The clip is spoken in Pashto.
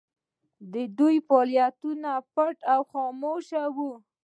د دوی فعالیتونه پټ او خاموشه وو.